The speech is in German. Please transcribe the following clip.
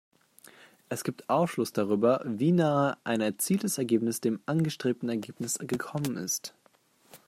Es gibt Aufschluss darüber, wie nahe ein erzieltes Ergebnis dem angestrebten Ergebnis gekommen ist.